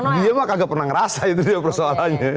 dia kagak pernah ngerasa itu dia persoalannya